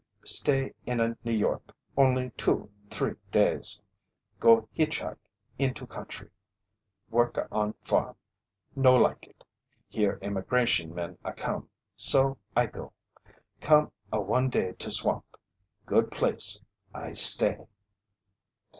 "Stay in a New York only two three days. Go hitchhike into country. Work a on farm. No like it. Hear Immigration men a come, so I go. Come a one day to swamp. Good place; I stay."